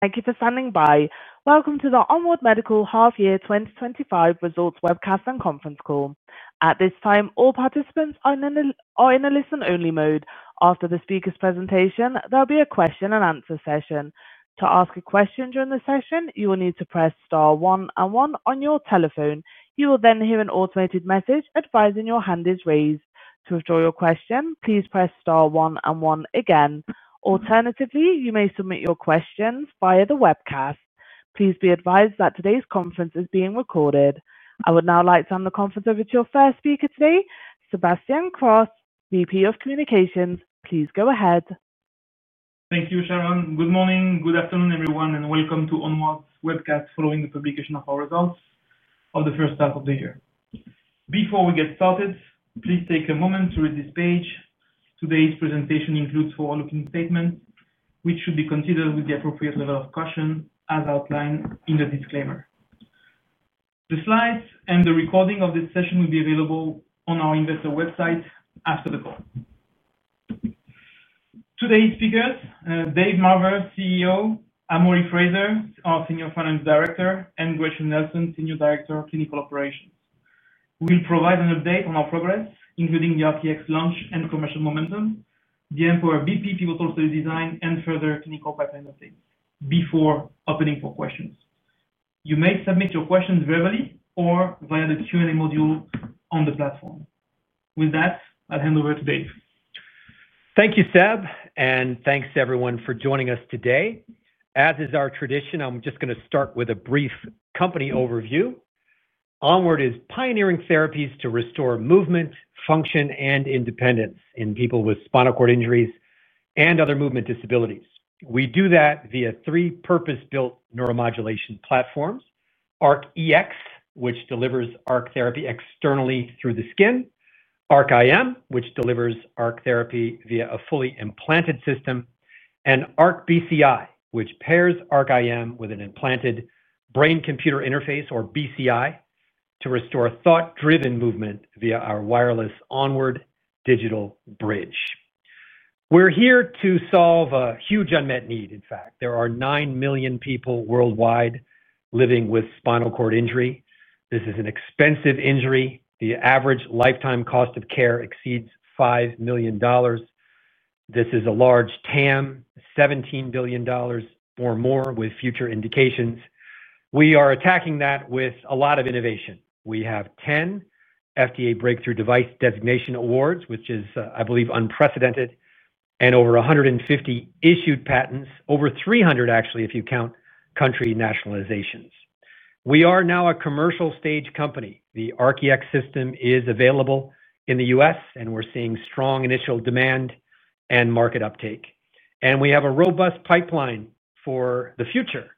Thank you for standing by. Welcome to the Onward Medical Half-Year 2025 Results Webcast and Conference Call. At this time, all participants are in a listen-only mode. After the speaker's presentation, there'll be a question and answer session. To ask a question during the session, you will need to press star one and one on your telephone. You will then hear an automated message advising your hand is raised. To withdraw your question, please press star one and one again. Alternatively, you may submit your questions via the webcast. Please be advised that today's conference is being recorded. I would now like to hand the conference over to our first speaker today, Sebastian Cross, VP of Communications. Please go ahead. Thank you, Sharon. Good morning. Good afternoon, everyone, and welcome to Onward Medical's webcast following the publication of our results for the first half of the year. Before we get started, please take a moment to read this page. Today's presentation includes forward-looking statements, which should be considered with the appropriate level of caution as outlined in the disclaimer. The slides and the recording of this session will be available on our investor website after the call. Today's speakers: Dave Marver, CEO; Amori Fraser, our Senior Finance Director; and Gretchen Nelson, Senior Director of Clinical Operations. We'll provide an update on our progress, including the ARC-EX system launch and commercial momentum, the Empower BP pivotal study design, and further clinical pipeline updates before opening for questions. You may submit your questions verbally or via the Q&A module on the platform. With that, I'll hand over to Dave. Thank you, Seb, and thanks everyone for joining us today. As is our tradition, I'm just going to start with a brief company overview. Onward Medical is pioneering therapies to restore movement, function, and independence in people with spinal cord injuries and other movement disabilities. We do that via three purpose-built neuromodulation platforms: ARC-EX, which delivers ARC Therapy externally through the skin; ARC-IM, which delivers ARC Therapy via a fully implanted system; and ARC BCI system, which pairs ARC-IM with an implanted brain-computer interface, or BCI, to restore thought-driven movement via our wireless ONWARD Digital Bridge. We're here to solve a huge unmet need. In fact, there are 9 million people worldwide living with spinal cord injury. This is an expensive injury. The average lifetime cost of care exceeds $5 million. This is a large TAM, $17 billion or more with future indications. We are attacking that with a lot of innovation. We have 10 FDA Breakthrough Device Designation awards, which is, I believe, unprecedented, and over 150 issued patents, over 300, actually, if you count country nationalizations. We are now a commercial stage company. The ARC-EX System is available in the U.S., and we're seeing strong initial demand and market uptake. We have a robust pipeline for the future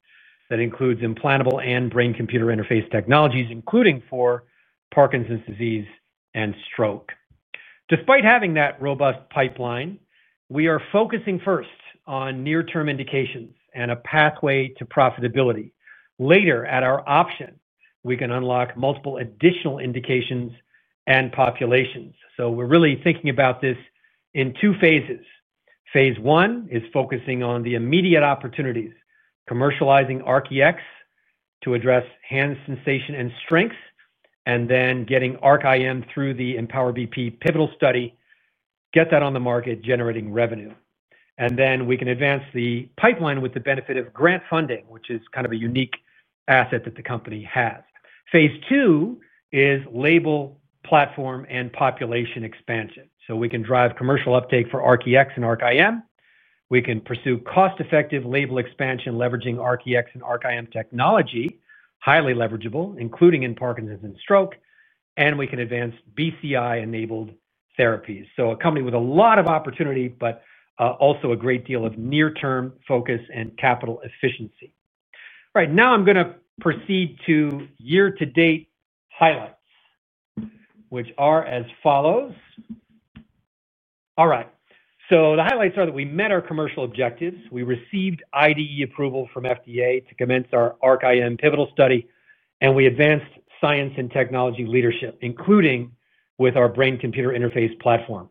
that includes implantable and brain-computer interface technologies, including for Parkinson's disease and stroke. Despite having that robust pipeline, we are focusing first on near-term indications and a pathway to profitability. Later, at our option, we can unlock multiple additional indications and populations. We're really thinking about this in two phases. Phase one is focusing on the immediate opportunities, commercializing ARC-EX to address hand sensation and strength, and then getting ARC-IM through the Empower BP pivotal study, get that on the market, generating revenue. We can advance the pipeline with the benefit of grant funding, which is kind of a unique asset that the company has. Phase two is label, platform, and population expansion. We can drive commercial uptake for ARC-EX and ARC-IM. We can pursue cost-effective label expansion, leveraging ARC-EX and ARC-IM technology, highly leverageable, including in Parkinson's and stroke. We can advance BCI-enabled therapies. A company with a lot of opportunity, but also a great deal of near-term focus and capital efficiency. Right now, I'm going to proceed to year-to-date highlights, which are as follows. All right. The highlights are that we met our commercial objectives. We received IDE approval from the FDA to commence our ARC- IM pivotal study, and we advanced science and technology leadership, including with our brain-computer interface platform.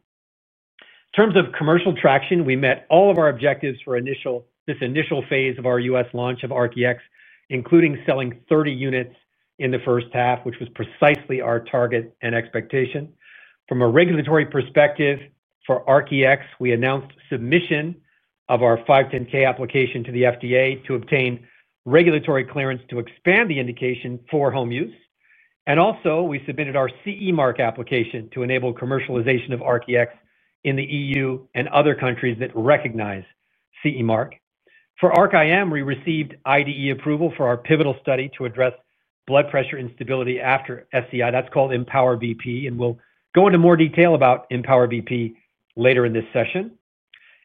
In terms of commercial traction, we met all of our objectives for this initial phase of our U.S. launch of ARC-EX, including selling 30 units in the first half, which was precisely our target and expectation. From a regulatory perspective, for ARC-EX, we announced submission of our 510(k) application to the FDA to obtain regulatory clearance to expand the indication for home use. We also submitted our CE Mark application to enable commercialization of ARC-EX in Europe and other countries that recognize CE Mark. For ARC- IM, we received IDE approval for our pivotal study to address blood pressure instability after SCI. That's called Empower BP, and we'll go into more detail about Empower BP later in this session.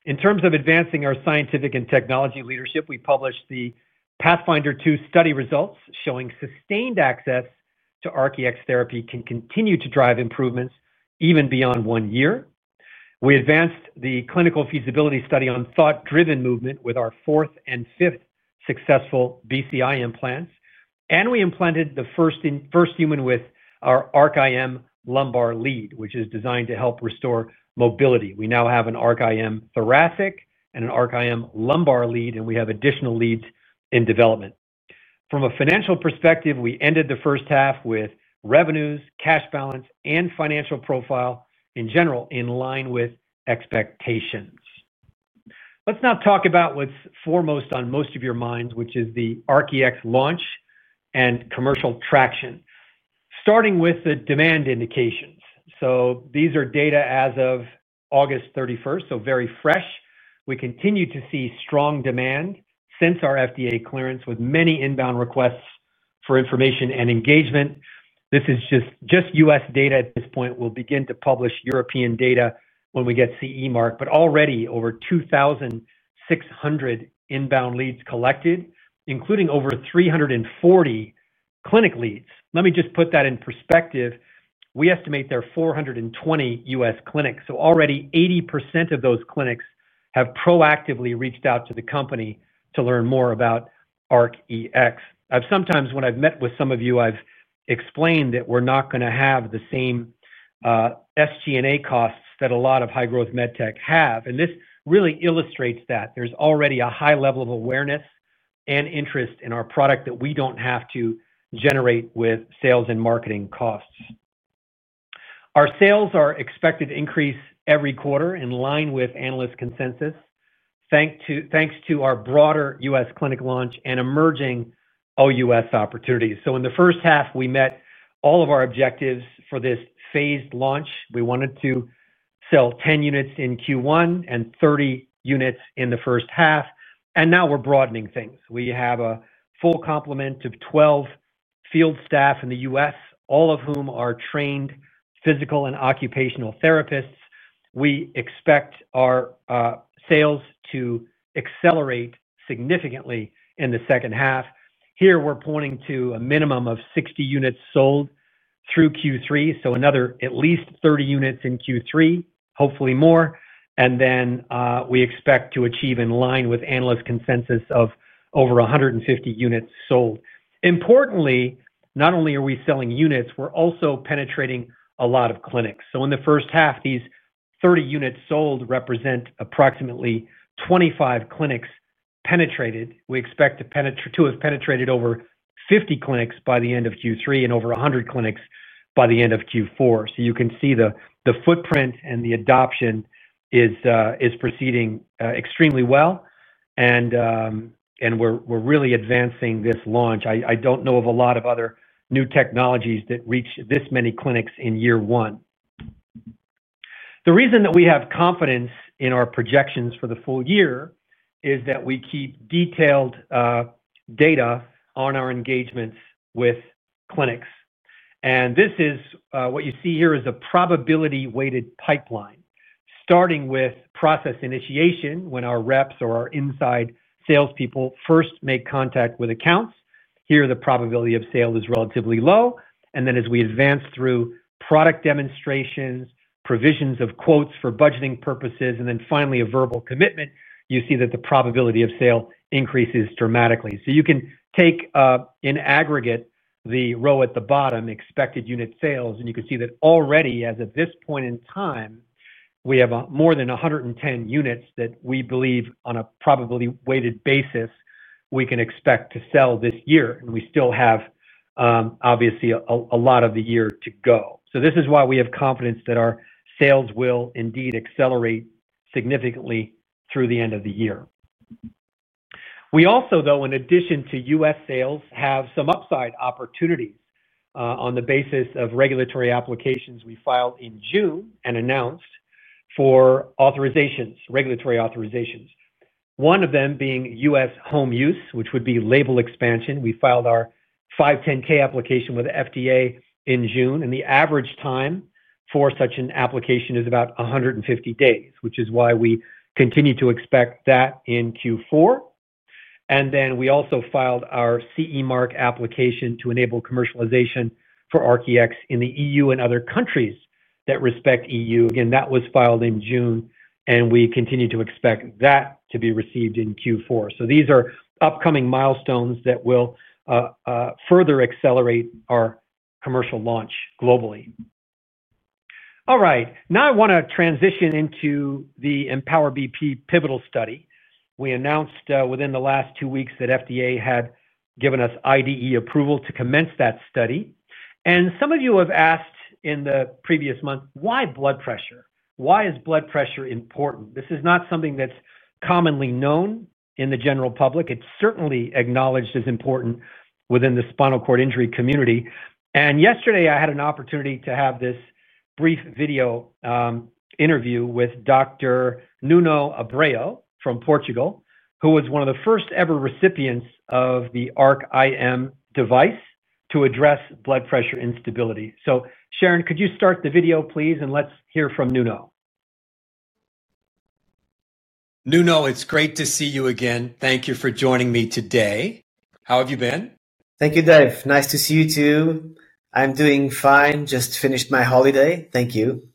In terms of advancing our scientific and technology leadership, we published the Pathfinder 2 study results showing sustained access to ARC-EX therapy can continue to drive improvements even beyond one year. We advanced the clinical feasibility study on thought-driven movement with our fourth and fifth successful BCI implants, and we implanted the first human with our ARC IM lumbar lead, which is designed to help restore mobility. We now have an ARC IM thoracic and an ARC- IM lumbar lead, and we have additional leads in development. From a financial perspective, we ended the first half with revenues, cash balance, and financial profile in general in line with expectations. Let's now talk about what's foremost on most of your minds, which is the ARC-EX launch and commercial traction, starting with the demand indications. These are data as of August 31, so very fresh. We continue to see strong demand since our FDA clearance, with many inbound requests for information and engagement. This is just U.S. data at this point. We will begin to publish European data when we get CE Mark, but already over 2,600 inbound leads collected, including over 340 clinic leads. Let me just put that in perspective. We estimate there are 420 U.S. clinics. Already 80% of those clinics have proactively reached out to the company to learn more about ARC-EX. Sometimes when I've met with some of you, I've explained that we're not going to have the same SG&A costs that a lot of high-growth MedTech have, and this really illustrates that. There's already a high level of awareness and interest in our product that we don't have to generate with sales and marketing costs. Our sales are expected to increase every quarter in line with analyst consensus, thanks to our broader U.S. clinic launch and emerging OUS opportunities. In the first half, we met all of our objectives for this phased launch. We wanted to sell 10 units in Q1 and 30 units in the first half, and now we're broadening things. We have a full complement of 12 field staff in the U.S., all of whom are trained physical and occupational therapists. We expect our sales to accelerate significantly in the second half. Here, we're pointing to a minimum of 60 units sold through Q3, so at least another 30 units in Q3, hopefully more, and we expect to achieve in line with analyst consensus of over 150 units sold. Importantly, not only are we selling units, we're also penetrating a lot of clinics. In the first half, these 30 units sold represent approximately 25 clinics penetrated. We expect to have penetrated over 50 clinics by the end of Q3 and over 100 clinics by the end of Q4. You can see the footprint and the adoption is proceeding extremely well, and we're really advancing this launch. I don't know of a lot of other new technologies that reach this many clinics in year one. The reason that we have confidence in our projections for the full year is that we keep detailed data on our engagements with clinics. What you see here is a probability-weighted pipeline, starting with process initiation when our reps or our inside salespeople first make contact with accounts. Here, the probability of sale is relatively low. As we advance through product demonstrations, provisions of quotes for budgeting purposes, and finally a verbal commitment, you see that the probability of sale increases dramatically. You can take in aggregate the row at the bottom, expected unit sales, and you can see that already, at this point in time, we have more than 110 units that we believe on a probability-weighted basis we can expect to sell this year. We still have, obviously, a lot of the year to go. This is why we have confidence that our sales will indeed accelerate significantly through the end of the year. We also, though, in addition to U.S. sales, have some upside opportunity on the basis of regulatory applications we filed in June and announced for regulatory authorizations, one of them being U.S. home use, which would be label expansion. We filed our 510(k) application with FDA in June, and the average time for such an application is about 150 days, which is why we continue to expect that in Q4. We also filed our CE Mark application to enable commercialization for ARC-EX in EU and other countries that respect EU. That was filed in June, and we continue to expect that to be received in Q4. These are upcoming milestones that will further accelerate our commercial launch globally. All right. Now I want to transition into the Empower BP pivotal study. We announced within the last two weeks that FDA had given us IDE approval to commence that study. Some of you have asked in the previous month, why blood pressure? Why is blood pressure important? This is not something that's commonly known in the general public. It's certainly acknowledged as important within the spinal cord injury community. Yesterday, I had an opportunity to have this brief video interview with Dr. Nuno Abreu, from Portugal, who was one of the first ever recipients of the ARC- IM device to address blood pressure instability. Sharon, could you start the video, please, and let's hear from Nuno? Nuno, it's great to see you again. Thank you for joining me today. How have you been? Thank you, Dave. Nice to see you too. I'm doing fine, just finished my holiday. Thank you.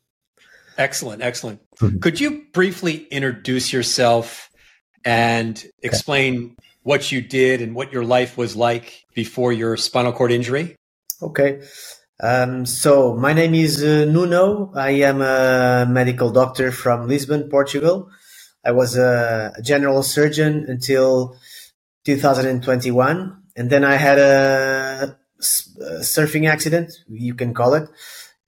Excellent, excellent. Could you briefly introduce yourself and explain what you did and what your life was like before your spinal cord injury? Okay. My name is Nuno. I am a medical doctor from Lisbon, Portugal. I was a general surgeon until 2021, then I had a surfing accident, you can call it,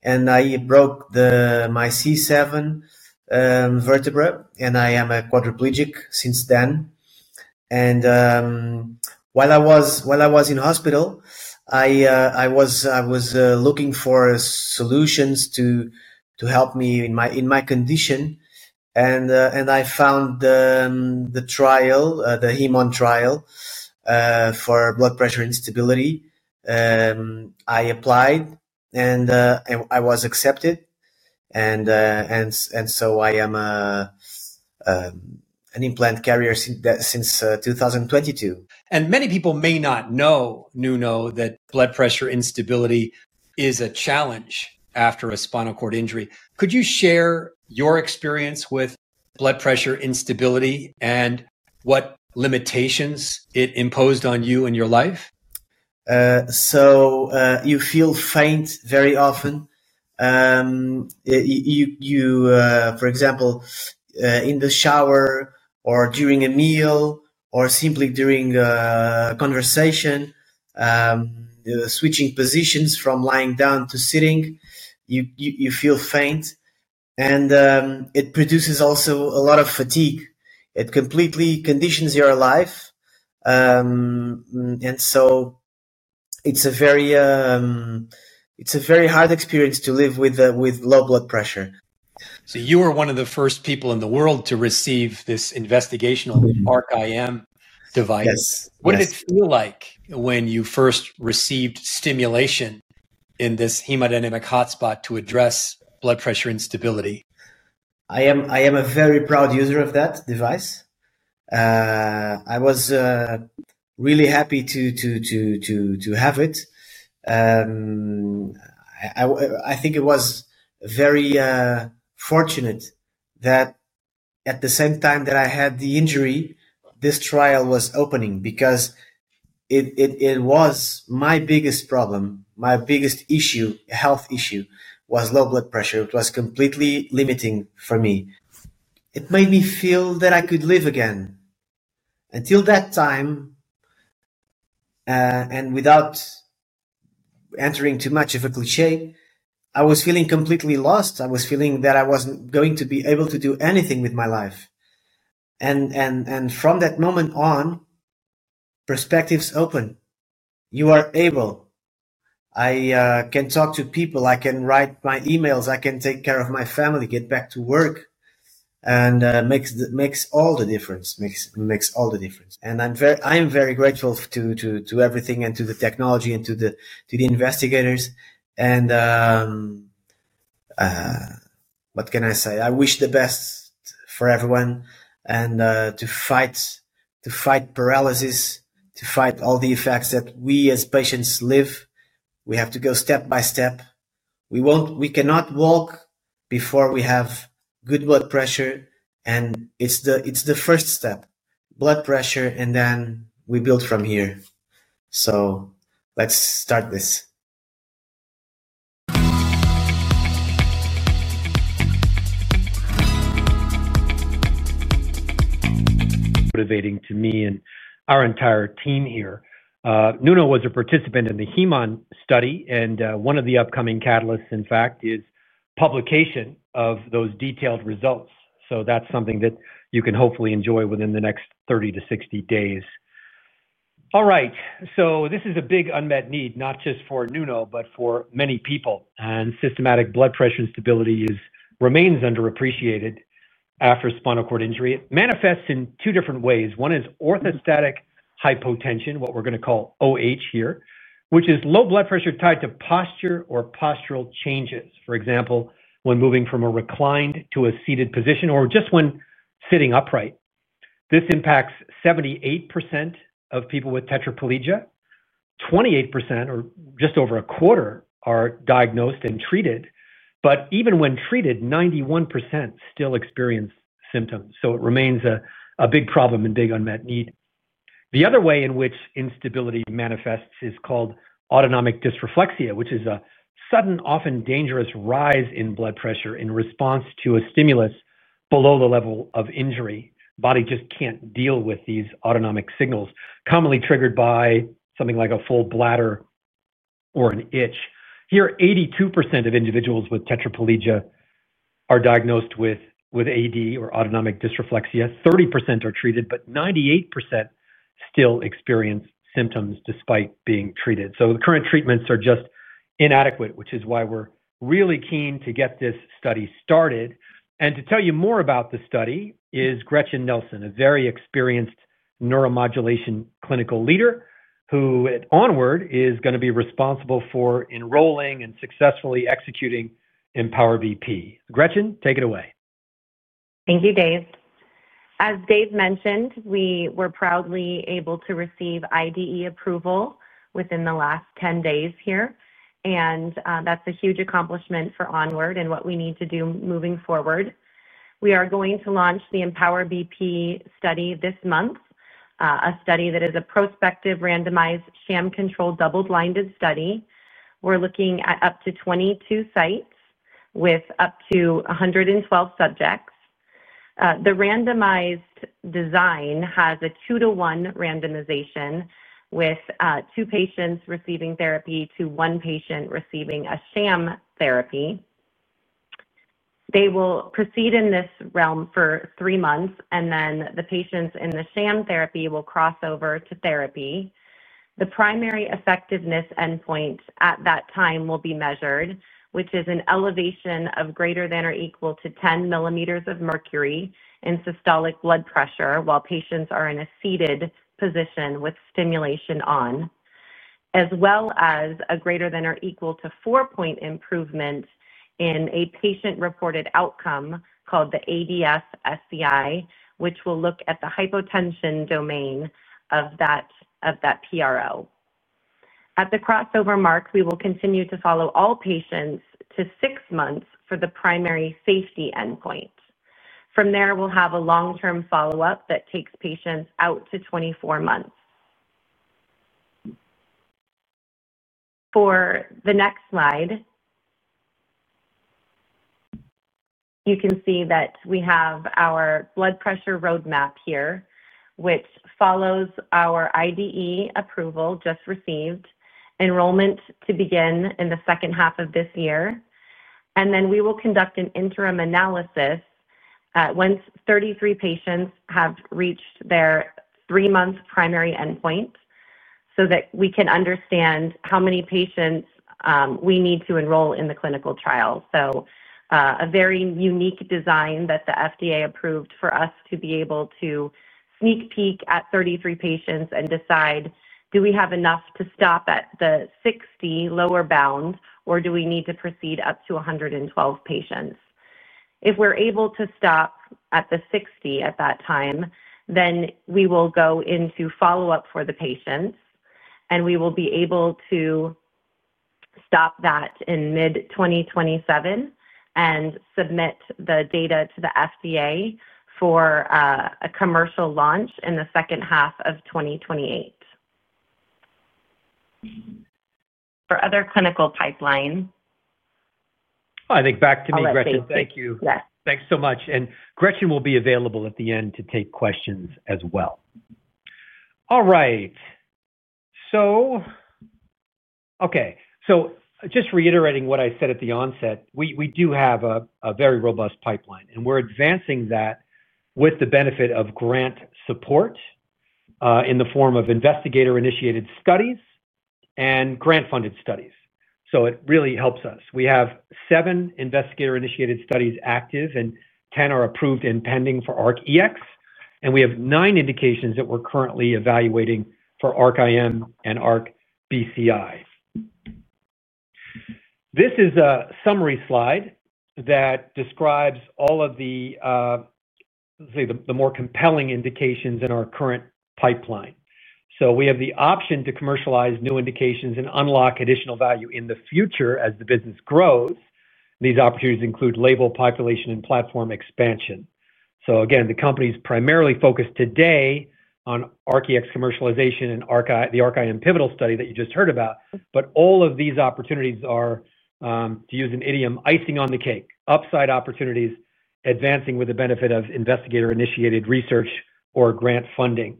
and I broke my C7 vertebra. I am a quadriplegic since then. While I was in the hospital, I was looking for solutions to help me in my condition, and I found the trial, the HemON trial for blood pressure instability. I applied, I was accepted, and I am an implant carrier since 2022. Many people may not know, Nuno, that blood pressure instability is a challenge after a spinal cord injury. Could you share your experience with blood pressure instability and what limitations it imposed on you and your life? You feel faint very often, for example, in the shower or during a meal or simply during a conversation. Switching positions from lying down to sitting, you feel faint, and it produces also a lot of fatigue. It completely conditions your life, and it is a very hard experience to live with low blood pressure. You were one of the first people in the world to receive this investigational ARC IM device. What did it feel like when you first received stimulation in this hemodynamic hotspot to address blood pressure instability? I am a very proud user of that device. I was really happy to have it. I think it was very fortunate that at the same time that I had the injury, this trial was opening because it was my biggest problem. My biggest issue, health issue, was low blood pressure. It was completely limiting for me. It made me feel that I could live again. Until that time, without entering too much of a cliché, I was feeling completely lost. I was feeling that I wasn't going to be able to do anything with my life. From that moment on, perspectives open. You are able. I can talk to people. I can write my emails. I can take care of my family, get back to work, and it makes all the difference. It makes all the difference. I'm very, I am very grateful to everything and to the technology and to the investigators. What can I say? I wish the best for everyone and to fight paralysis, to fight all the effects that we as patients live. We have to go step by step. We cannot walk before we have good blood pressure, and it's the first step, blood pressure, and then we build from here. Let's start this. Motivating to me and our entire team here. Nuno was a participant in the Hem-On study, and one of the upcoming catalysts, in fact, is publication of those detailed results. That's something that you can hopefully enjoy within the next 30 to 60 days. This is a big unmet need, not just for Nuno, but for many people. Systematic blood pressure instability remains underappreciated after a spinal cord injury. It manifests in two different ways. One is orthostatic hypotension, what we're going to call OH here, which is low blood pressure tied to posture or postural changes. For example, when moving from a reclined to a seated position or just when sitting upright. This impacts 78% of people with tetraplegia. 28%, or just over a quarter, are diagnosed and treated. Even when treated, 91% still experience symptoms. It remains a big problem and big unmet need. The other way in which instability manifests is called autonomic dysreflexia, which is a sudden, often dangerous rise in blood pressure in response to a stimulus below the level of injury. The body just can't deal with these autonomic signals, commonly triggered by something like a full bladder or an itch. Here, 82% of individuals with tetraplegia are diagnosed with AD or autonomic dysreflexia. 30% are treated, but 98% still experience symptoms despite being treated. The current treatments are just inadequate, which is why we're really keen to get this study started. To tell you more about the study is Gretchen Nelson, a very experienced neuromodulation clinical leader, who at Onward Medical is going to be responsible for enrolling and successfully executing Empower BP. Gretchen, take it away. Thank you, Dave. As Dave mentioned, we were proudly able to receive IDE approval within the last 10 days here, and that's a huge accomplishment for Onward Medical and what we need to do moving forward. We are going to launch the Empower BP pivotal study this month, a study that is a prospective randomized sham-controlled double-blinded study. We're looking at up to 22 sites with up to 112 subjects. The randomized design has a two-to-one randomization with two patients receiving therapy to one patient receiving a sham therapy. They will proceed in this realm for three months, and then the patients in the sham therapy will cross over to therapy. The primary effectiveness endpoint at that time will be measured, which is an elevation of ≥ 10 mmHg in systolic blood pressure while patients are in a seated position with stimulation on, as well as a ≥ 4-point improvement in a patient-reported outcome called the ADS-SCI PRO, which will look at the hypotension domain of that PRO. At the crossover mark, we will continue to follow all patients to six months for the primary safety endpoint. From there, we'll have a long-term follow-up that takes patients out to 24 months. For the next slide, you can see that we have our blood pressure roadmap here, which follows our IDE approval just received, enrollment to begin in the second half of this year. We will conduct an interim analysis once 33 patients have reached their three-month primary endpoint so that we can understand how many patients we need to enroll in the clinical trial. A very unique design that the FDA approved for us to be able to sneak peek at 33 patients and decide, do we have enough to stop at the 60 lower bound, or do we need to proceed up to 112 patients? If we're able to stop at the 60 at that time, then we will go into follow-up for the patients, and we will be able to stop that in mid-2027 and submit the data to the FDA for a commercial launch in the second half of 2028. For other clinical pipeline. I think back to you, Gretchen. Thank you. Thanks so much. Gretchen will be available at the end to take questions as well. All right. Just reiterating what I said at the onset, we do have a very robust pipeline, and we're advancing that with the benefit of grant support in the form of investigator-initiated studies and grant-funded studies. It really helps us. We have seven investigator-initiated studies active, and 10 are approved and pending for ARC-EX, and we have nine indications that we're currently evaluating for ARC-IM and ARC BCI. This is a summary slide that describes all of the, let's say, the more compelling indications in our current pipeline. We have the option to commercialize new indications and unlock additional value in the future as the business grows. These opportunities include label population and platform expansion. The company's primarily focused today on ARC-EX commercialization and the ARC-IM pivotal study that you just heard about. All of these opportunities are, to use an idiom, icing on the cake, upside opportunities advancing with the benefit of investigator-initiated research or grant funding.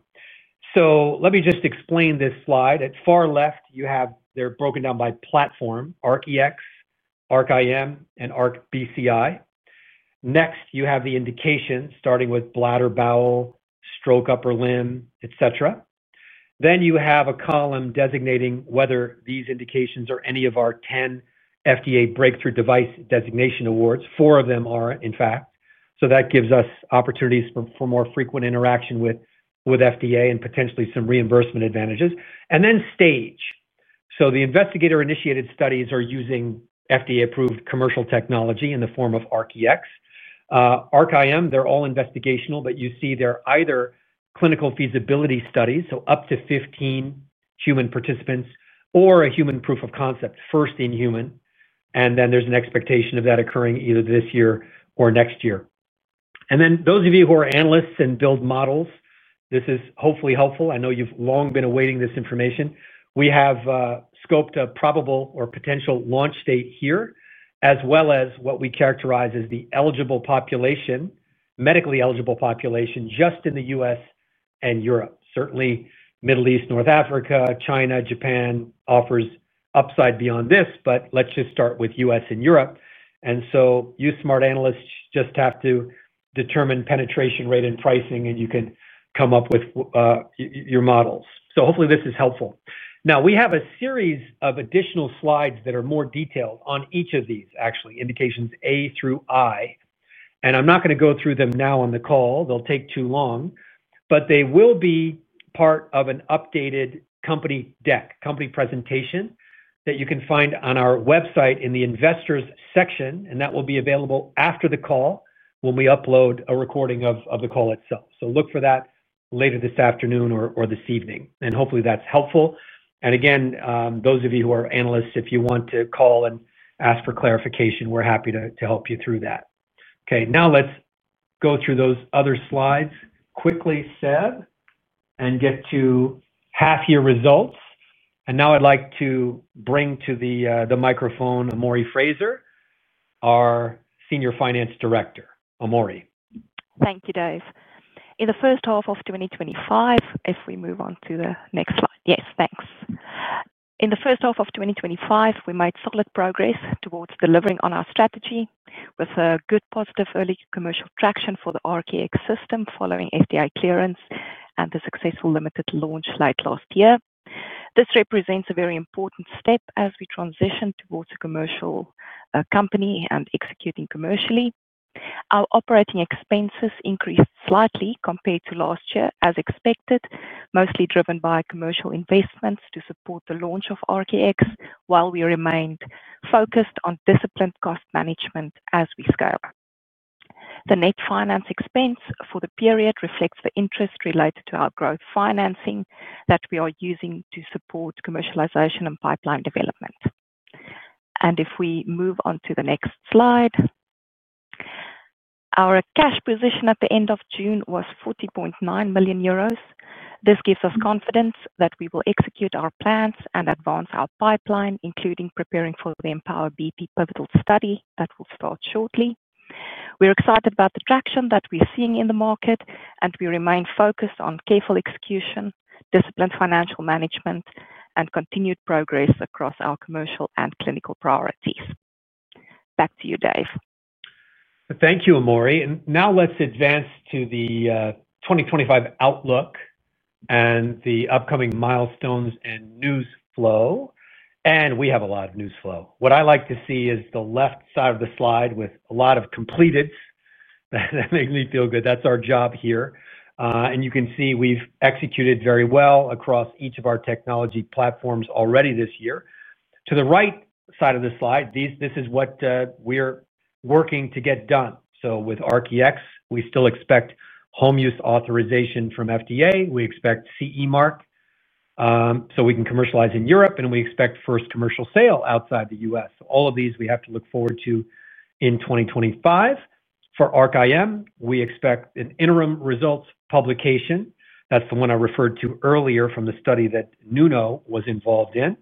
Let me just explain this slide. At far left, you have they're broken down by platform: ARC-EX, ARC-IM, and ARC BCI. Next, you have the indications starting with bladder, bowel, stroke, upper limb, etc. Then you have a column designating whether these indications are any of our 10 FDA breakthrough device designation awards. Four of them are, in fact. That gives us opportunities for more frequent interaction with FDA and potentially some reimbursement advantages. Then stage. The investigator-initiated studies are using FDA-approved commercial technology in the form of ARC-EX. ARC-IM, they're all investigational, but you see they're either clinical feasibility studies, so up to 15 human participants, or a human proof of concept, first in human. There's an expectation of that occurring either this year or next year. Those of you who are analysts and build models, this is hopefully helpful. I know you've long been awaiting this information. We have scoped a probable or potential launch date here, as well as what we characterize as the eligible population, medically eligible population just in the U.S. and Europe. Certainly, Middle East, North Africa, China, Japan offers upside beyond this, but let's just start with U.S. and Europe. You smart analysts just have to determine penetration rate and pricing, and you can come up with your models. Hopefully, this is helpful. We have a series of additional slides that are more detailed on each of these, actually, indications A through I. I'm not going to go through them now on the call. They'll take too long. They will be part of an updated company deck, company presentation that you can find on our website in the investors section, and that will be available after the call when we upload a recording of the call itself. Look for that later this afternoon or this evening. Hopefully, that's helpful. Again, those of you who are analysts, if you want to call and ask for clarification, we're happy to help you through that. Now let's go through those other slides quickly, Seb, and get to half-year results. Now I'd like to bring to the microphone Amori Fraser, our Senior Finance Director. Amori. Thank you, Dave. In the first half of 2025, if we move on to the next slide. Yes, thanks. In the first half of 2025, we made solid progress towards delivering on our strategy with a good positive early commercial traction for the ARC-EX system following FDA clearance and the successful limited launch late last year. This represents a very important step as we transition towards a commercial company and executing commercially. Our operating expenses increased slightly compared to last year, as expected, mostly driven by commercial investments to support the launch of ARC-EX while we remained focused on disciplined cost management as we scale. The net finance expense for the period reflects the interest related to our growth financing that we are using to support commercialization and pipeline development. If we move on to the next slide, our cash position at the end of June was €40.9 million. This gives us confidence that we will execute our plans and advance our pipeline, including preparing for the Empower BP pivotal study that will start shortly. We're excited about the traction that we're seeing in the market, and we remain focused on careful execution, disciplined financial management, and continued progress across our commercial and clinical priorities. Back to you, Dave. Thank you, Amori. Now let's advance to the 2025 outlook and the upcoming milestones and news flow. We have a lot of news flow. What I like to see is the left side of the slide with a lot of completeds. That makes me feel good. That's our job here. You can see we've executed very well across each of our technology platforms already this year. To the right side of the slide, this is what we're working to get done. With ARC-EX, we still expect home use authorization from FDA. We expect CE Mark so we can commercialize in Europe, and we expect first commercial sale outside the United States. All of these we have to look forward to in 2025. For ARC- IM, we expect an interim results publication. That's the one I referred to earlier from the study that Nuno was involved in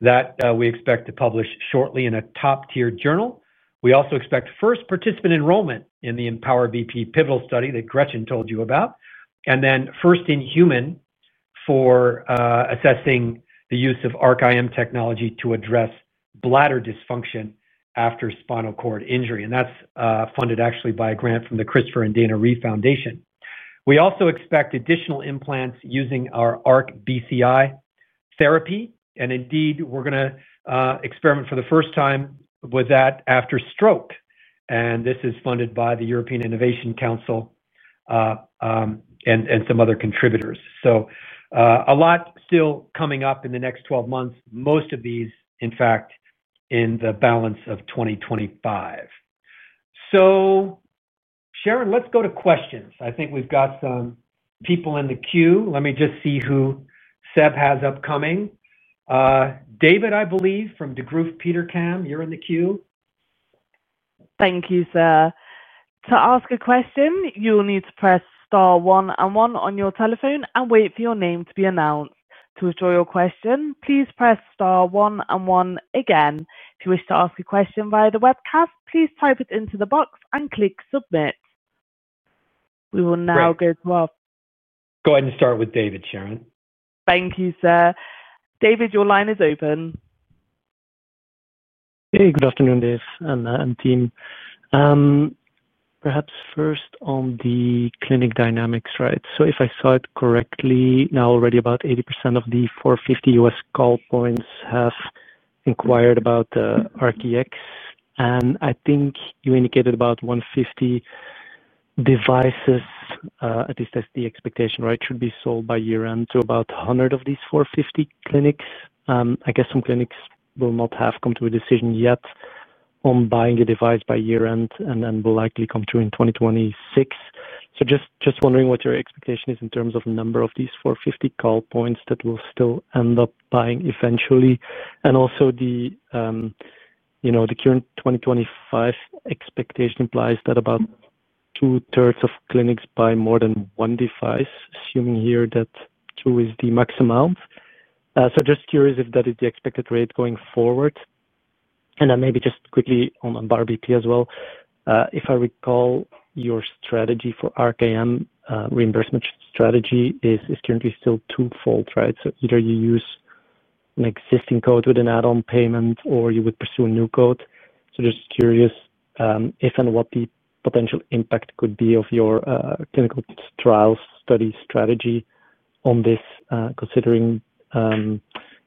that we expect to publish shortly in a top-tier journal. We also expect first participant enrollment in the Empower BP pivotal study that Gretchen told you about, and then first in human for assessing the use of ARC- IM technology to address bladder dysfunction after spinal cord injury. That's funded actually by a grant from the CRISPR and Dana Reeve Foundation. We also expect additional implants using our ARC BCI therapy, and indeed, we're going to experiment for the first time with that after stroke. This is funded by the European Innovation Council and some other contributors. A lot still coming up in the next 12 months, most of these, in fact, in the balance of 2025. Sharon, let's go to questions. I think we've got some people in the queue. Let me just see who Seb has upcoming. David, I believe, from DeGroof Petercam, you're in the queue. Thank you, Seb. To ask a question, you will need to press star one and one on your telephone and wait for your name to be announced. To withdraw your question, please press star one and one again. If you wish to ask a question via the webcast, please type it into the box and click submit. We will now go to our questions. Go ahead and start with David, Sharon. Thank you, Seb. David, your line is open. Hey, good afternoon, Dave, and team. Perhaps first on the clinic dynamics, right? If I saw it correctly, now already about 80% of the 450 U.S. call points have inquired about the ARC-EX. I think you indicated about 150 devices, at least that's the expectation, should be sold by year-end to about 100 of these 450 clinics. I guess some clinics will not have come to a decision yet on buying a device by year-end and will likely come to in 2026. Just wondering what your expectation is in terms of the number of these 450 call points that will still end up buying eventually. Also, the current 2025 expectation implies that about 2/3 of clinics buy more than one device, assuming here that two is the max amount. Just curious if that is the expected rate going forward. Maybe just quickly on Empower BP as well. If I recall, your strategy for ARC- IM reimbursement strategy is currently still two-fold, right? Either you use an existing code with an add-on payment or you would pursue a new code. Just curious if and what the potential impact could be of your clinical trial study strategy on this, considering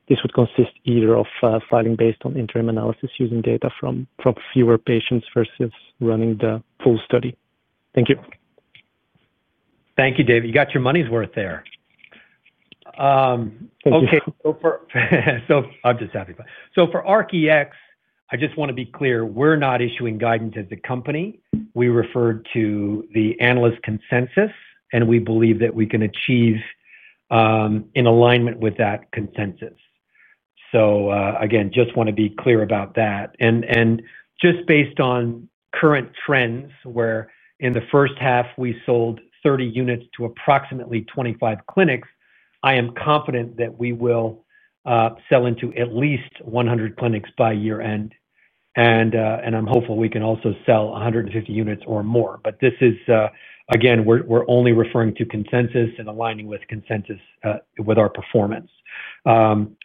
this would consist either of filing based on interim analysis using data from fewer patients versus running the full study. Thank you. Thank you, Dave. You got your money's worth there. Okay. I'm just happy about it. For ARC-EX, I just want to be clear, we're not issuing guidance as a company. We refer to the analyst consensus, and we believe that we can achieve in alignment with that consensus. Again, just want to be clear about that. Based on current trends, where in the first half, we sold 30 units to approximately 25 clinics, I am confident that we will sell into at least 100 clinics by year-end. I'm hopeful we can also sell 150 units or more. This is, again, we're only referring to consensus and aligning with consensus with our performance.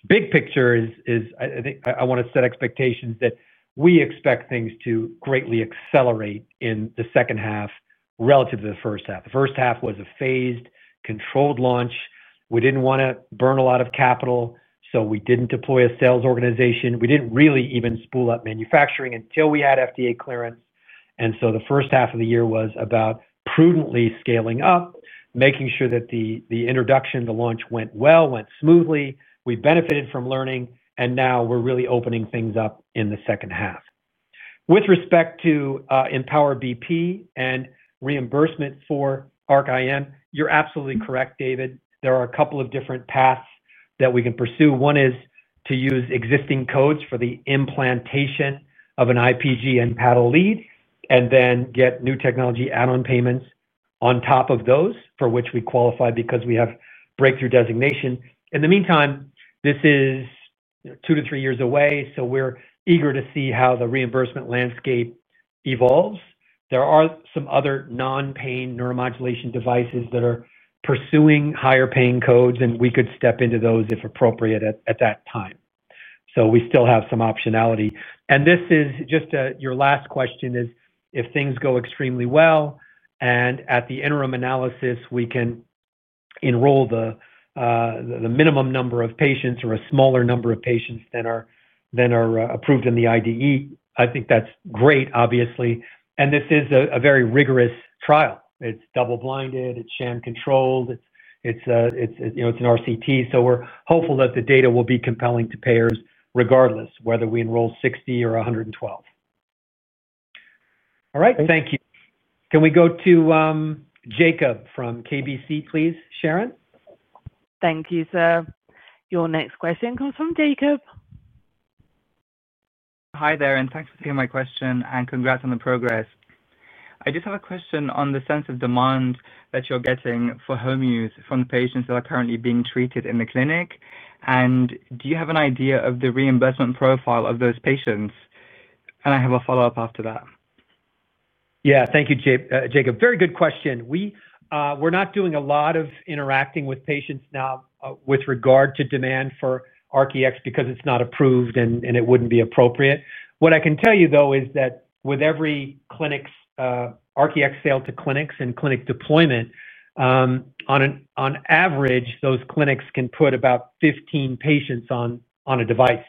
Big picture is, I think I want to set expectations that we expect things to greatly accelerate in the second half relative to the first half. The first half was a phased controlled launch. We didn't want to burn a lot of capital, so we didn't deploy a sales organization. We didn't really even spool up manufacturing until we had FDA clearance. The first half of the year was about prudently scaling up, making sure that the introduction, the launch went well, went smoothly. We benefited from learning, and now we're really opening things up in the second half. With respect to Empower BP and reimbursement for ARC- IM, you're absolutely correct, David. There are a couple of different paths that we can pursue. One is to use existing codes for the implantation of an IPG and paddle lead and then get new technology add-on payments on top of those for which we qualify because we have breakthrough designation. In the meantime, this is two to three years away, so we're eager to see how the reimbursement landscape evolves. There are some other non-paying neuromodulation devices that are pursuing higher paying codes, and we could step into those if appropriate at that time. We still have some optionality. Your last question is if things go extremely well, and at the interim analysis, we can enroll the minimum number of patients or a smaller number of patients than are approved in the IDE. I think that's great, obviously. This is a very rigorous trial. It's double-blinded. It's sham controlled. It's an RCT. We're hopeful that the data will be compelling to payers regardless whether we enroll 60 or 112. All right. Thank you. Can we go to Jacob from KBC, please, Sharon? Thank you, Seb. Your next question comes from Jacob. Hi there, and thanks for taking my question, and congrats on the progress. I just have a question on the sense of demand that you're getting for home use from patients that are currently being treated in the clinic. Do you have an idea of the reimbursement profile of those patients? I have a follow-up after that. Yeah, thank you, Jacob. Very good question. We're not doing a lot of interacting with patients now with regard to demand for ARC-EX because it's not approved and it wouldn't be appropriate. What I can tell you, though, is that with every ARC-EX sale to clinics and clinic deployment, on average, those clinics can put about 15 patients on a device.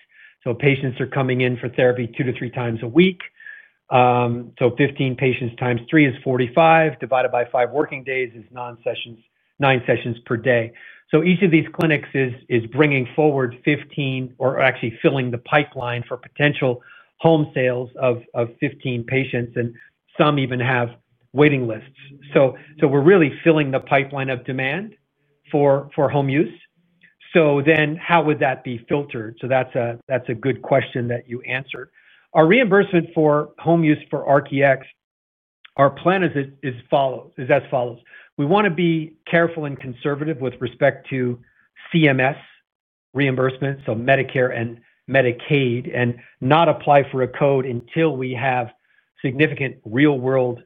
Patients are coming in for therapy two to three times a week. 15 patients times three is 45. Divided by five working days is nine sessions per day. Each of these clinics is bringing forward 15 or actually filling the pipeline for potential home sales of 15 patients, and some even have waiting lists. We're really filling the pipeline of demand for home use. How would that be filtered? That's a good question that you answered. Our reimbursement for home use for ARC-EX, our plan is as follows. We want to be careful and conservative with respect to CMS reimbursement, so Medicare and Medicaid, and not apply for a code until we have significant real-world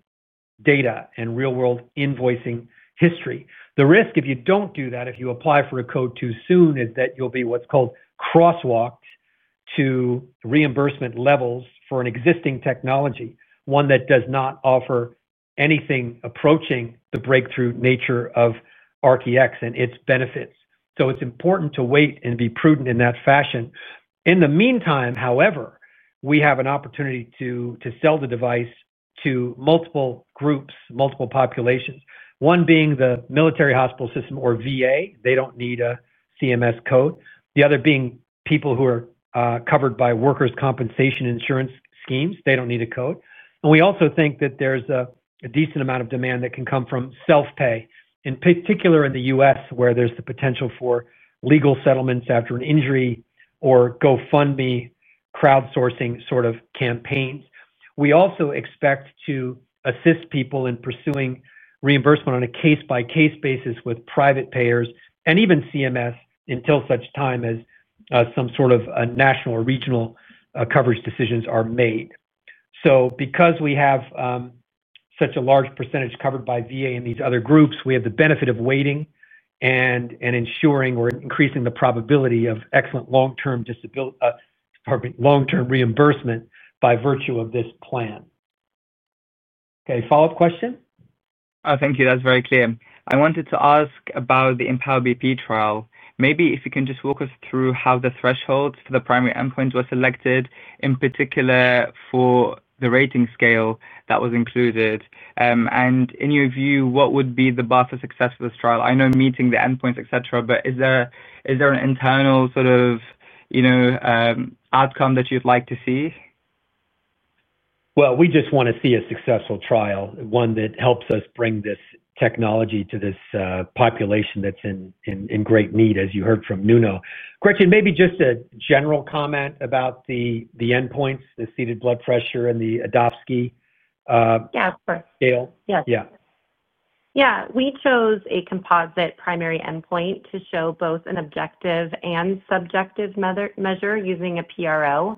data and real-world invoicing history. The risk if you don't do that, if you apply for a code too soon, is that you'll be what's called crosswalked to reimbursement levels for an existing technology, one that does not offer anything approaching the breakthrough nature of ARC-EX and its benefits. It's important to wait and be prudent in that fashion. In the meantime, however, we have an opportunity to sell the device to multiple groups, multiple populations, one being the military hospital system or VA. They don't need a CMS code. The other being people who are covered by workers' compensation insurance schemes. They don't need a code. We also think that there's a decent amount of demand that can come from self-pay, in particular in the U.S., where there's the potential for legal settlements after an injury or GoFundMe crowdsourcing sort of campaigns. We also expect to assist people in pursuing reimbursement on a case-by-case basis with private payers and even CMS until such time as some sort of national or regional coverage decisions are made. Because we have such a large percentage covered by VA and these other groups, we have the benefit of waiting and ensuring or increasing the probability of excellent long-term reimbursement by virtue of this plan. Okay. Follow-up question? Thank you. That's very clear. I wanted to ask about the Empower BP pivotal study. Maybe if you can just walk us through how the thresholds for the primary endpoints were selected, in particular for the rating scale that was included. In your view, what would be the bar for success for this trial? I know meeting the endpoints, etc., but is there an internal sort of outcome that you'd like to see? We want to see a successful trial, one that helps us bring this technology to this population that's in great need, as you heard from Nuno. Gretchen, maybe just a general comment about the endpoints, the seated blood pressure and the ADS-SCI PRO scale. Yeah, of course. We chose a composite primary endpoint to show both an objective and subjective measure using a PRO.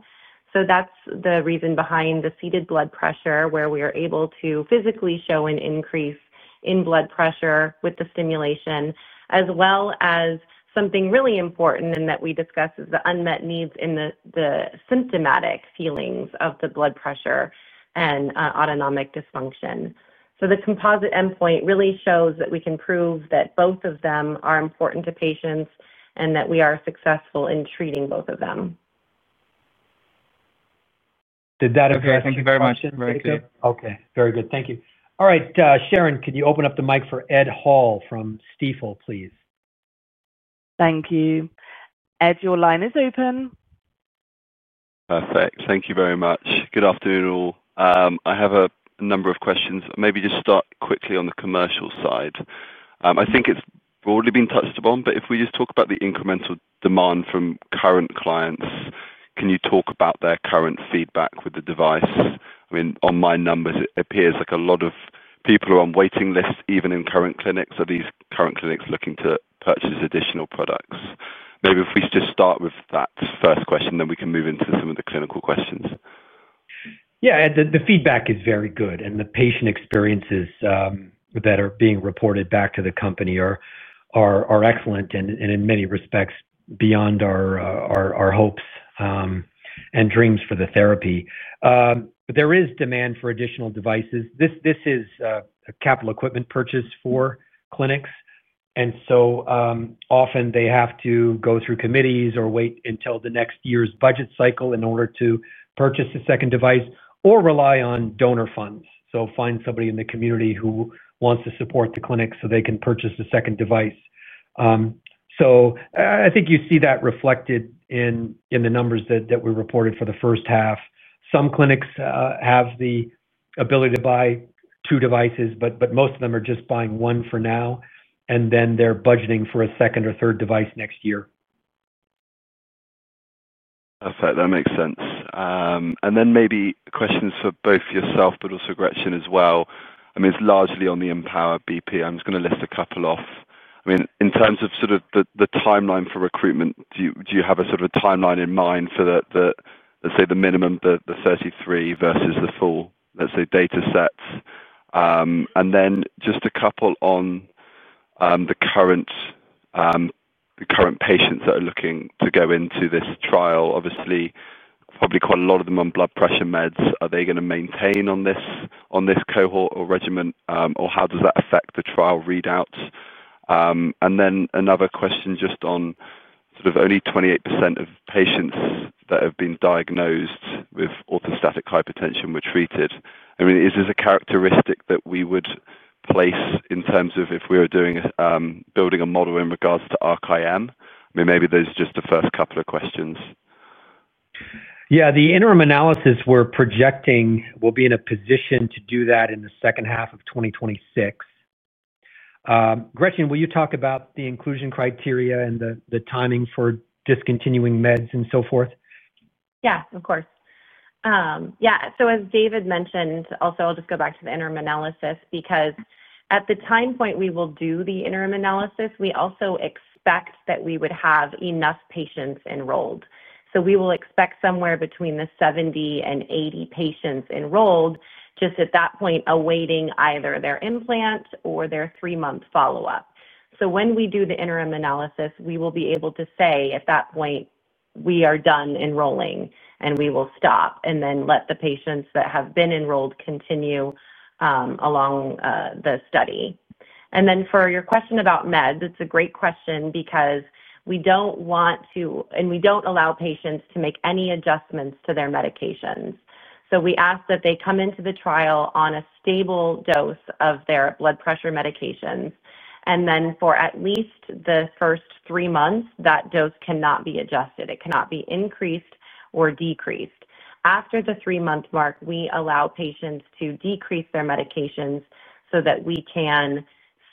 That's the reason behind the seated blood pressure, where we are able to physically show an increase in blood pressure with the stimulation, as well as something really important that we discuss is the unmet needs in the symptomatic feelings of the blood pressure and autonomic dysfunction. The composite endpoint really shows that we can prove that both of them are important to patients and that we are successful in treating both of them. Did that appear? Thank you very much. Very good. Very good. Thank you. Thank you. All right. Sharon, could you open up the mic for Ed Hall from Stifel, please? Thank you. Ed, your line is open. Perfect. Thank you very much. Good afternoon all. I have a number of questions. Maybe just start quickly on the commercial side. I think it's broadly been touched upon, but if we just talk about the incremental demand from current clients, can you talk about their current feedback with the devices? I mean, on my numbers, it appears like a lot of people who are on waiting lists, even in current clinics, are these current clinics looking to purchase additional products? Maybe if we should just start with that first question, then we can move into some of the clinical questions. Yeah. The feedback is very good, and the patient experiences that are being reported back to the company are excellent and in many respects beyond our hopes and dreams for the therapy. There is demand for additional devices. This is a capital equipment purchase for clinics, and often they have to go through committees or wait until the next year's budget cycle in order to purchase a second device or rely on donor funds. They find somebody in the community who wants to support the clinic so they can purchase a second device. I think you see that reflected in the numbers that were reported for the first half. Some clinics have the ability to buy two devices, but most of them are just buying one for now, and then they're budgeting for a second or third device next year. Perfect. That makes sense. Maybe questions for both yourself, but also Gretchen as well. It's largely on the Empower BP. I'm just going to list a couple off. In terms of the timeline for recruitment, do you have a timeline in mind for the, let's say, the minimum, the 33 versus the full, let's say, data sets? Just a couple on the current patients that are looking to go into this trial. Obviously, probably quite a lot of them on blood pressure meds. Are they going to maintain on this cohort or regimen, or how does that affect the trial readouts? Another question just on only 28% of patients that have been diagnosed with orthostatic hypertension were treated. Is this a characteristic that we would place in terms of if we were building a model in regards to ARC- IM? Maybe those are just the first couple of questions. Yeah. The interim analysis we're projecting will be in a position to do that in the second half of 2026. Gretchen, will you talk about the inclusion criteria and the timing for discontinuing meds and so forth? Yeah, of course. As David mentioned, I'll just go back to the interim analysis because at the time point we will do the interim analysis, we also expect that we would have enough patients enrolled. We will expect somewhere between 70 and 80 patients enrolled, just at that point awaiting either their implant or their three-month follow-up. When we do the interim analysis, we will be able to say at that point we are done enrolling and we will stop, then let the patients that have been enrolled continue along the study. For your question about meds, it's a great question because we don't want to, and we don't allow patients to make any adjustments to their medications. We ask that they come into the trial on a stable dose of their blood pressure medications. For at least the first three months, that dose cannot be adjusted. It cannot be increased or decreased. After the three-month mark, we allow patients to decrease their medications so that we can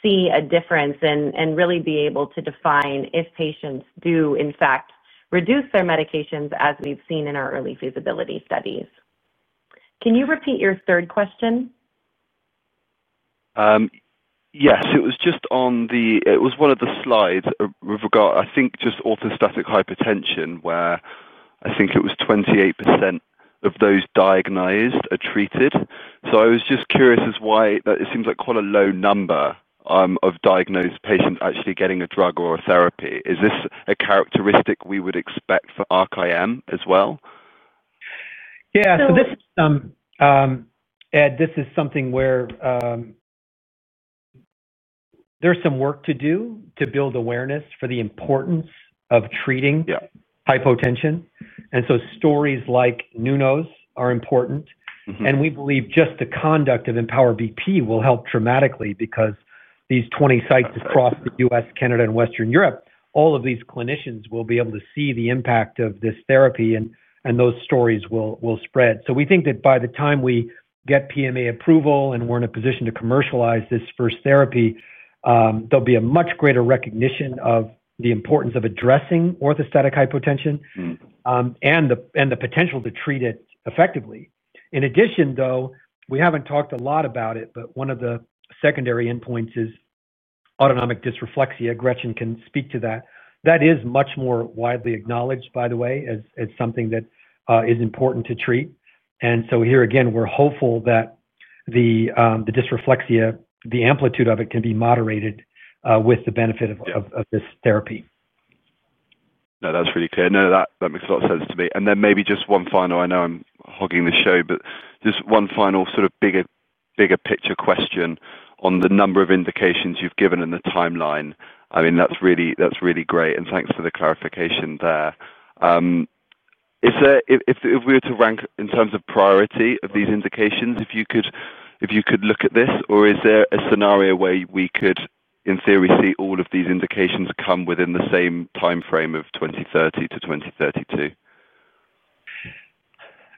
see a difference and really be able to define if patients do, in fact, reduce their medications, as we've seen in our early feasibility studies. Can you repeat your third question? Yes. It was just on the, it was one of the slides with regard, I think, just orthostatic hypertension, where I think it was 28% of those diagnosed are treated. I was just curious as to why it seems like quite a low number of diagnosed patients actually getting a drug or a therapy. Is this a characteristic we would expect for ARC- IM as well? Yeah. This is something where there's some work to do to build awareness for the importance of treating hypotension. Stories like Nuno's are important, and we believe just the conduct of Empower BP will help dramatically because these 20 sites across the U.S., Canada, and Western Europe, all of these clinicians will be able to see the impact of this therapy, and those stories will spread. We think that by the time we get PMA approval and we're in a position to commercialize this first therapy, there'll be a much greater recognition of the importance of addressing orthostatic hypotension and the potential to treat it effectively. In addition, though we haven't talked a lot about it, one of the secondary endpoints is autonomic dysreflexia. Gretchen can speak to that. That is much more widely acknowledged, by the way, as something that is important to treat. Here again, we're hopeful that the dysreflexia, the amplitude of it can be moderated with the benefit of this therapy. No, that's pretty clear. That makes a lot of sense to me. Maybe just one final, I know I'm hogging the show, but just one final sort of bigger picture question on the number of indications you've given in the timeline. That's really great, and thanks for the clarification there. If we were to rank in terms of priority of these indications, if you could look at this, is there a scenario where we could, in theory, see all of these indications come within the same timeframe of 2030 to 2032?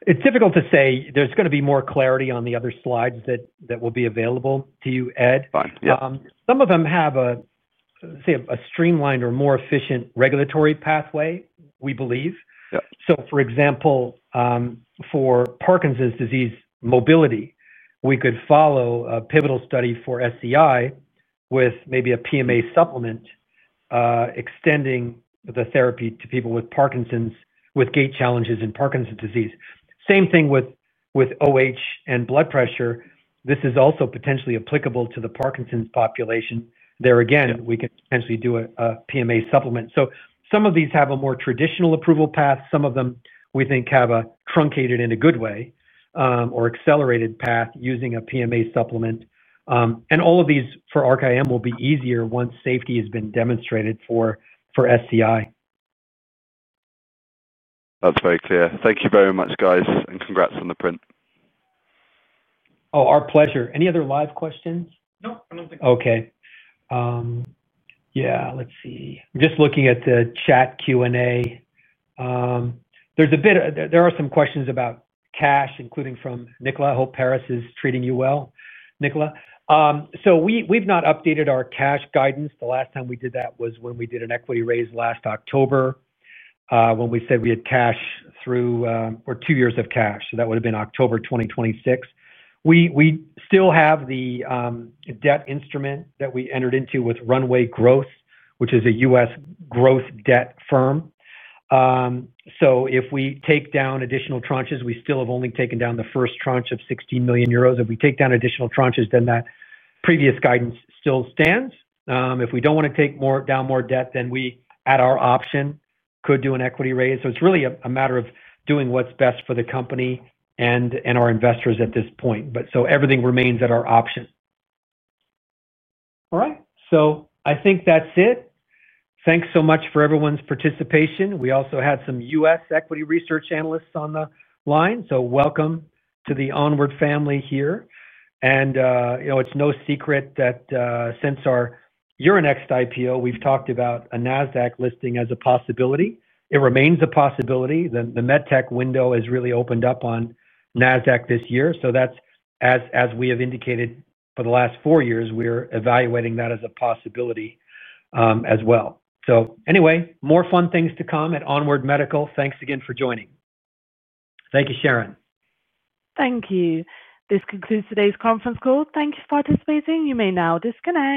It's difficult to say. There's going to be more clarity on the other slides that will be available to you, Ed. Fine. Yeah. Some of them have a, say, a streamlined or more efficient regulatory pathway, we believe. For example, for Parkinson's disease mobility, we could follow a pivotal study for SCI with maybe a PMA supplement extending the therapy to people with gait challenges in Parkinson's disease. Same thing with OH and blood pressure. This is also potentially applicable to the Parkinson's population. There again, we could potentially do a PMA supplement. Some of these have a more traditional approval path. Some of them, we think, have a truncated in a good way or accelerated path using a PMA supplement. All of these for ARC- IM will be easier once safety has been demonstrated for SCI. That's very clear. Thank you very much, guys, and congrats on the print. Oh, our pleasure. Any other live questions? Okay. Yeah, let's see. I'm just looking at the chat Q&A. There are some questions about cash, including from Nicola Hoparis, who's treating you well, Nicola. We've not updated our cash guidance. The last time we did that was when we did an equity raise last October when we said we had cash through or two years of cash. That would have been October 2026. We still have the debt instrument that we entered into with Runway Growth, which is a U.S. growth debt firm. If we take down additional tranches, we still have only taken down the first tranche of €16 million. If we take down additional tranches, then that previous guidance still stands. If we don't want to take down more debt, we at our option could do an equity raise. It's really a matter of doing what's best for the company and our investors at this point. Everything remains at our option. I think that's it. Thanks so much for everyone's participation. We also had some U.S. equity research analysts on the line. Welcome to the Onward family here. You know it's no secret that since our Euronext IPO, we've talked about a NASDAQ listing as a possibility. It remains a possibility. The MedTech window has really opened up on NASDAQ this year. As we have indicated for the last four years, we're evaluating that as a possibility as well. More fun things to come at Onward Medical. Thanks again for joining. Thank you, Sharon. Thank you. This concludes today's conference call. Thank you for participating. You may now disconnect.